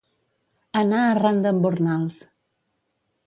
Anar arran d'embornals.